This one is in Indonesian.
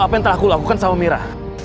apa yang telah aku lakukan sama mira